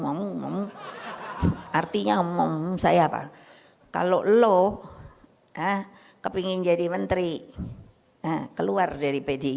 ngomong ngomong artinya ngomong saya apa kalau lo kepingin jadi menteri keluar dari pdi